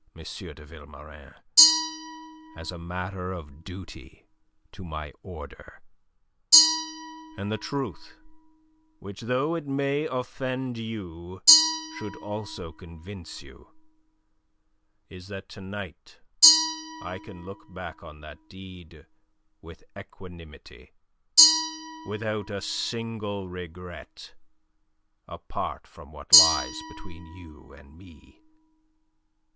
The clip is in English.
de Vilmorin as a matter of duty to my order. And the truth which though it may offend you should also convince you is that to night I can look back on the deed with equanimity, without a single regret, apart from what lies between you and me.